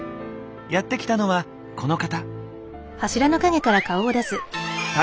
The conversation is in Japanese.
やって来たのはこの方。